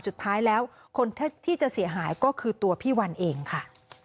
สุดท้ายแล้วคนที่จะเสียหายก็คือตัวพี่วันเองค่ะ